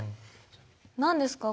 何ですか？